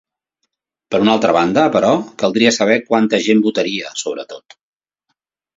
Per una altra banda, però, caldria saber quanta gent votaria, sobretot.